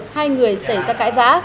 hai người xảy ra cãi vã